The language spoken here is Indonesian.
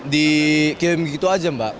dikirim begitu aja mbak